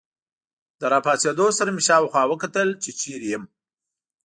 له راپاڅېدو سره مې شاوخوا وکتل، چې چیرې یم.